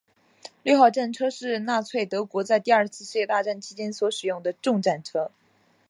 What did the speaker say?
六号战车是纳粹德国在第二次世界大战期间所使用的重战车。